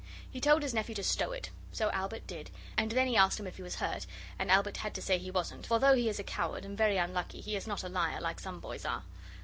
He told his nephew to stow it, so Albert did, and then he asked him if he was hurt and Albert had to say he wasn't, for though he is a coward, and very unlucky, he is not a liar like some boys are.